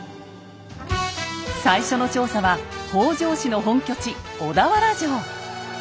最初の調査は北条氏の本拠地小田原城。